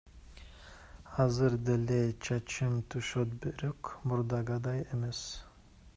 Азыр деле чачым түшөт, бирок мурдагыдай эмес.